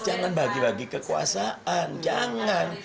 jangan bagi bagi kekuasaan jangan